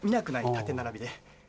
縦並びで。